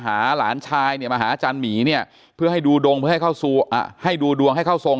หาหลานชายเนี่ยมาหาอาจารย์หมีเนี่ยเพื่อให้ดูดวงให้เข้าทรง